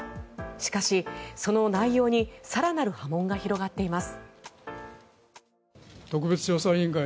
しかしその内容に更なる波紋が広がっています。